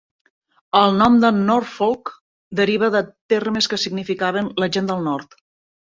El nom de "Norfolk" deriva de termes que significaven "la gent del nord".